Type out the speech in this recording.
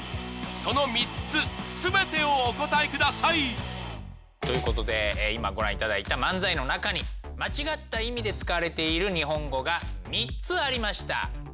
その３つ全てをお答えくださいということで今ご覧いただいた漫才の中に間違った意味で使われている日本語が３つありました！